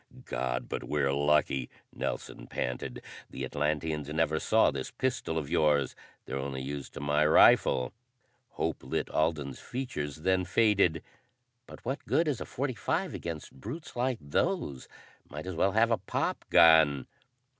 "God, but we're lucky," Nelson panted. "The Atlanteans never saw this pistol of yours. They're only used to my rifle." Hope lit Alden's features, then faded. "But what good is a .45 against brutes like those? Might at well have a pop gun!"